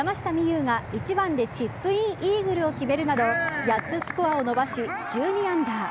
有が１番でチップインイーグルを決めるなど８つスコアを伸ばし１２アンダー。